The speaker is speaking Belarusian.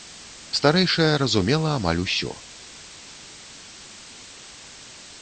Старэйшая разумела амаль усё.